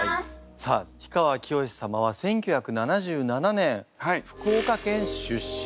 さあ氷川きよし様は１９７７年福岡県出身。